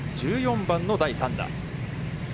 １４番の第３打。